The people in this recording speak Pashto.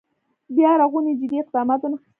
بیا رغونې جدي اقدامات وانخېستل.